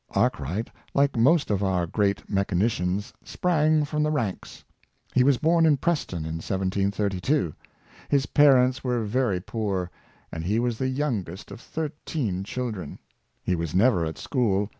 Arkright, like most of our great mechanicians, sprang from the ranks. He was born in Preston in 1732. His parents were very poor, and he was the yongest of thir teen children. He was never at school.